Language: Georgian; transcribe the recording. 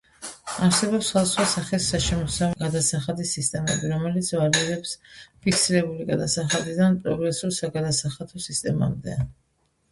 არსებობს სხვადასხვა სახის საშემოსავლო გადასახადის სისტემები, რომელიც ვარირებს ფიქსირებული გადასახადიდან პროგრესულ საგადასახადო სისტემამდე.